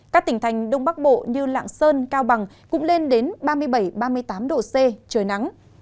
các tỉnh thành đông bắc bộ như lạng sơn cao bằng cũng lên đến ba mươi bảy ba mươi tám độ c trời nắng